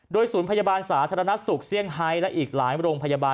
โดยศูนย์พยาบาลสาธารณสุขเซี่ยงไฮและอีกหลายโรงพยาบาล